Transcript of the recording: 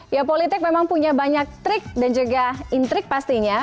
ya politik memang punya banyak trik dan juga intrik pastinya